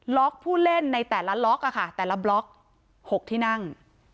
ผู้เล่นในแต่ละล็อกแต่ละบล็อก๖ที่นั่ง